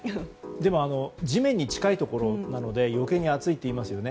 でも、地面に近いので余計に暑いといいますよね。